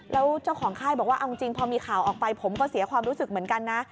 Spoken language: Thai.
แล้วเจ้าของค่ายบอกว่าเอาจริงพอมีข่าวออกไปผมก็เสียความรู้สึกเหมือนกันนะ